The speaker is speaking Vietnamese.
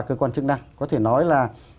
cơ quan chức năng có thể nói là